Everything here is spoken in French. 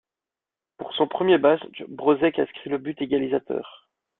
Pour son premier match, Brożek inscrit le but égalisateur.